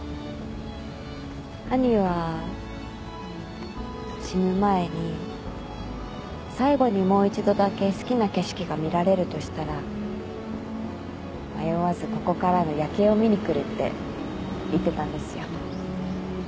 兄は死ぬ前に最後にもう一度だけ好きな景色が見られるとしたら迷わずここからの夜景を見に来るって言ってたんですよ。